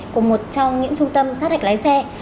của một trong những trung tâm sát hạch lái xe